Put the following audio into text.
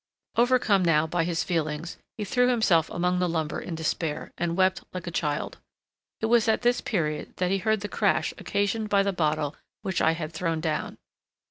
Overcome now by his feelings, he threw himself among the lumber in despair, and wept like a child. It was at this period that he heard the crash occasioned by the bottle which I had thrown down.